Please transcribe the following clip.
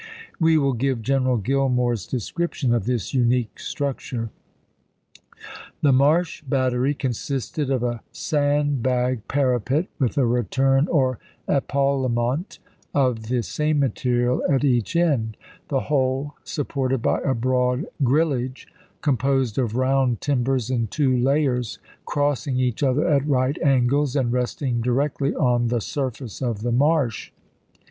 We will give General Gill more's description of this unique structure :" The 'Marsh Battery 'consisted of a sand bag parapet with a return or epaulement of the same material at each end ; the whole supported by a broad grillage, com posed of round timbers in two layers, crossing each other at right angles, and resting directly on the sur face of the marsh.